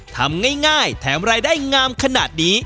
ทำง่ายแถมรายได้งามขนาดนี้